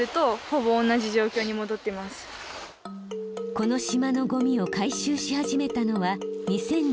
この島のゴミを回収し始めたのは２０１５年。